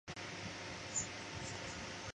游戏复杂度可以用许多方法加以衡量。